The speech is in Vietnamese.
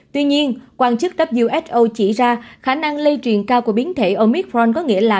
tuy nhiên quan chức who chỉ ra khả năng lây truyền cao của biến thể omicron có nghĩa là